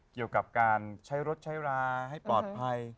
เกี่ยวกับการใช้รถใช้ราให้ปลอดภัย